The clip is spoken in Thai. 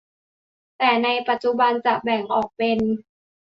แต่ในปัจจุบันจะแบ่งออกเป็น